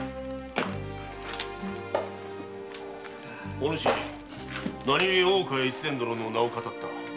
お主何故大岡越前殿の名を騙った？